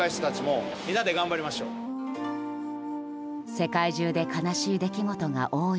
世界中で悲しい出来事が多い